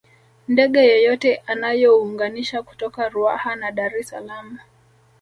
Ndege yoyote inayounganisha kutoka Ruaha na Dar es Salaam